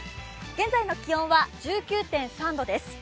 現在の気温は１９．３度です。